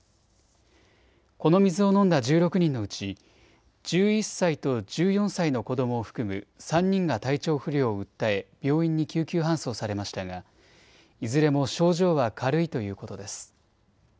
この水を飲んだ１６人のうち１１歳と１４歳の子どもを含む３人が体調不良を訴え病院に救急搬送されましたがいずれも症状は軽いということです。